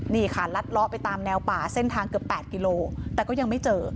นี่ค่ะลัดเลาะไปตามแนวป่าเส้นทางเกือบ๘กิโลแต่ก็ยังไม่เจอ